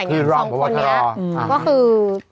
คือรองประวัติธรรม